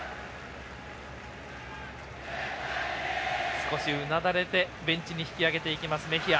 少しうなだれてベンチに引き上げていきますメヒア。